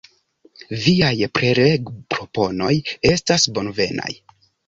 Viaj prelegproponoj estas bonvenaj.